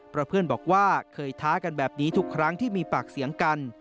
เพราะเพื่อนบอกว่าเคยท้ากันแบบนี้ทุกครั้งที่มีปากเสียงกัน